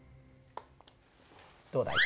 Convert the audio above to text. どうだい？